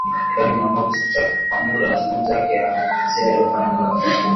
Iran imeamua kusitisha kwa muda mazungumzo yake ya siri yaliyofanywa na Baghdad.